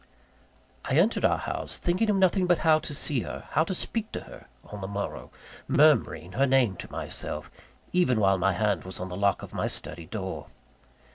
I entered our house, thinking of nothing but how to see her, how to speak to her, on the morrow; murmuring her name to myself; even while my hand was on the lock of my study door.